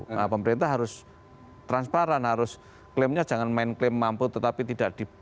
nah pemerintah harus transparan harus klaimnya jangan main klaim mampu tetapi tidak di